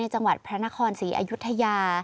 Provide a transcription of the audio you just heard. จังหวัดพระนครศรีอยุธยา